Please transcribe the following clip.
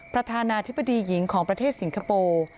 ประธานาธิบดีหญิงของประเทศสิงคโปร์